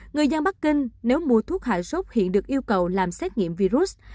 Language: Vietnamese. người dân bắc kinh nếu mua thuốc hạ sốt hiện được yêu cầu làm xét nghiệm virus